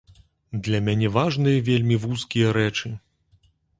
Для мяне важныя вельмі вузкія рэчы.